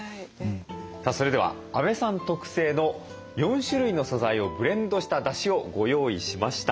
さあそれでは阿部さん特製の４種類の素材をブレンドしただしをご用意しました。